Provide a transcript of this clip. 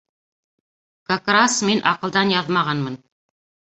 — Как рас мин аҡылдан яҙмағанмын.